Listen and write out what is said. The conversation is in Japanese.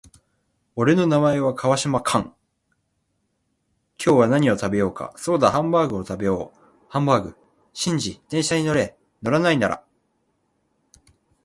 俺の名前は川島寛。今日は何を食べようか。そうだハンバーグを食べよう。ハンバーグ。シンジ、電車に乗れ。乗らないなら歩いて帰れ。俺は今日もパチンコに行くぜ。